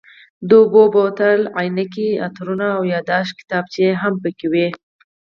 د اوبو بوتل، عینکې، عطرونه او یادښت کتابچې هم پکې وې.